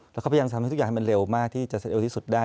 แล้วเขาพยายามทำให้ทุกอย่างเร็วมากที่จะเสนอที่สุดได้